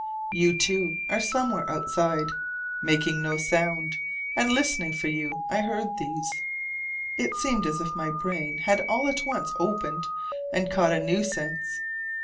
You, too, are somewhere outside, making no sound: and listening for you I heard these. It seemed as if my brain had all at once opened and caught a new sense.